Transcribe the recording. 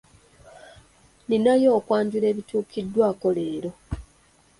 Ninayo okwanjula ebituukiddwako leero.